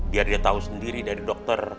biar dia tahu sendiri dari dokter